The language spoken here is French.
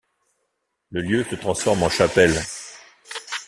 Le lieu se transforma en chapelle.